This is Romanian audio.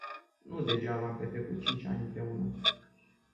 Nu degeaba am petrecut cinci ani împreună.